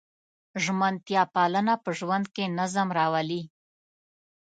ژمنتیا پالنه په ژوند کې نظم راولي.